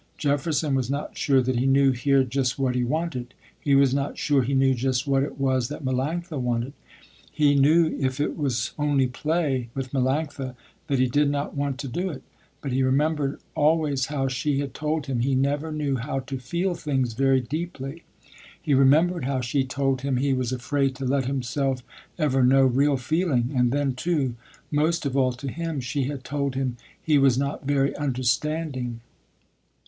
Jefferson was not sure that he knew here just what he wanted. He was not sure he knew just what it was that Melanctha wanted. He knew if it was only play, with Melanctha, that he did not want to do it. But he remembered always how she had told him he never knew how to feel things very deeply. He remembered how she told him he was afraid to let himself ever know real feeling, and then too, most of all to him, she had told him he was not very understanding.